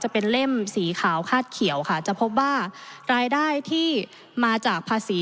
เล่มสีขาวคาดเขียวค่ะจะพบว่ารายได้ที่มาจากภาษี